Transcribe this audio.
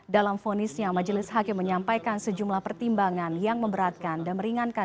dalam vonisnya majelis hakim menyampaikan sejumlah pertimbangan yang memberatkan dan meringankan